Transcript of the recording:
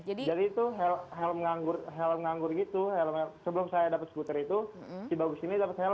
jadi itu helm nganggur gitu sebelum saya dapat skuter itu si bagus ini dapat helm